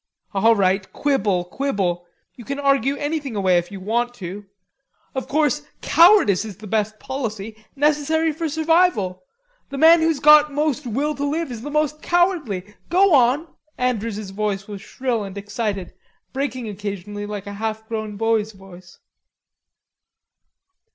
"All right, quibble, quibble. You can argue anything away if you want to. Of course, cowardice is the best policy, necessary for survival. The man who's got most will to live is the most cowardly... go on." Andrews's voice was shrill and excited, breaking occasionally like a half grown boy's voice.